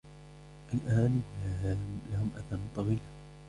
الأرانب لهم آذان طويلة.